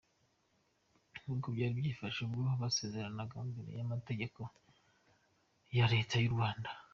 nkuko byari byifashe ubwo basezeranaga imbere yamategeko ya leta yu Rwanda.